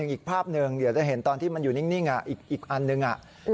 อีกภาพหนึ่งเดี๋ยวจะเห็นตอนที่มันอยู่นิ่งอีกอันหนึ่ง